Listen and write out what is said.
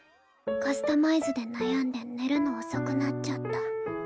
カスタマイズで悩んで寝るの遅くなっちゃった。